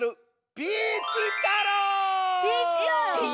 「ピーチ太郎」？